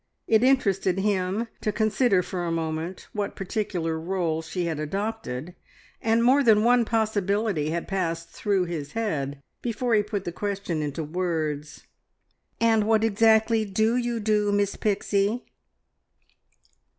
It interested him to consider for a moment what particular role she had adopted, and more than one possibility had passed through his head before he put the question into words "And what exactly do you do, Miss Pixie?"